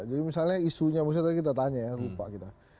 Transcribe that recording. jadi misalnya isunya misalnya tadi kita tanya ya lupa kita